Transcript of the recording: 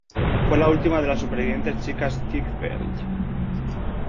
Fue la última de las supervivientes Chicas Ziegfeld.